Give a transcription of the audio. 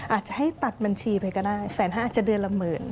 อาจจะให้ตัดบัญชีไปก็ได้แสนห้าอาจจะเดือนละหมื่น